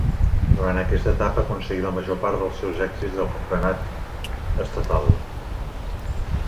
Durant aquesta etapa aconseguí la major part dels seus èxits al campionat estatal.